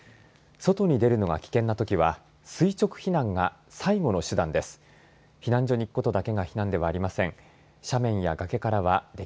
外に出るのが危険なときは垂直避難が最後の手段です。